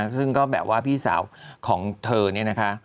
ซึ่งก็แบบว่าพี่สาวของเธอเนี่ยนะคะ